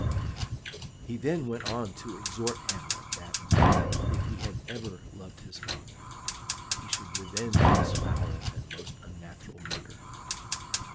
He then went on to exhort Hamlet that, if ever he had loved his father, he should revenge his foul and most unnatural murder.